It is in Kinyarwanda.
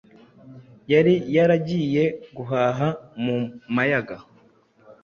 yari yaragiye guhaha mu mayaga,